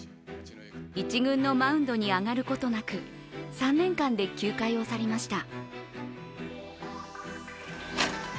１軍のマウンドに上がることなく、３年間で球界を去りました。